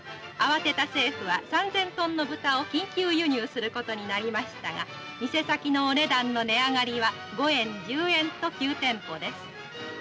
慌てた政府は３０００トンの豚を緊急輸入する事になりましたが店先のお値段の値上がりは５円１０円と急テンポです。